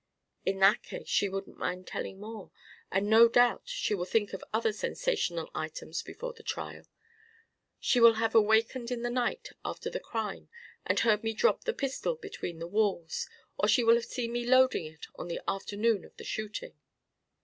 "In that case she wouldn't mind telling more. And no doubt she will think of other sensational items before the trial. She will have awakened in the night after the crime and heard me drop the pistol between the walls, or she will have seen me loading it on the afternoon of the shooting."